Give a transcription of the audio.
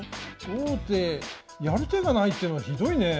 王手やる手がないってのはひどいねえ。